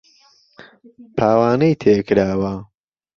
پاوانەی تێ کراوە